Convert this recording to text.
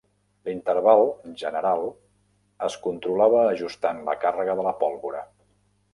L'interval general es controlava ajustant la càrrega de la pólvora.